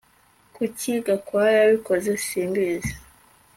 Kuki Gakwaya yabikoze Simbizi